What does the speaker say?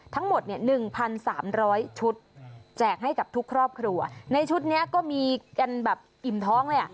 ทั้งหมดเนี่ยหนึ่งพันสามร้อยชุดแจกให้กับทุกครอบครัวในชุดนี้ก็มีกันแบบอิ่มท้องเลยอ่ะ